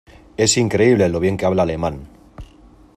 Es increíble lo bien que habla alemán.